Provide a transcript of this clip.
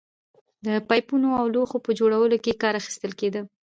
د پایپونو او لوښو په جوړولو کې کار اخیستل کېده